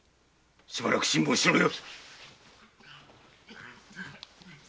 しばらく辛抱しろよ。